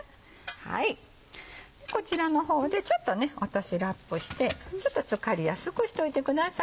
こちらの方でちょっと落としラップしてちょっと漬かりやすくしておいてください。